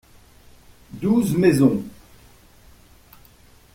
Douze maisons.